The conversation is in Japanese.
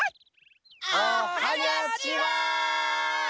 おはにゃちは！